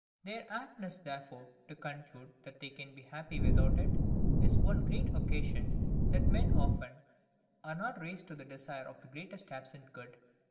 Their aptness therefore to conclude that they can be happy without it, is one great occasion that men often are not raised to the desire of the greatest ABSENT good.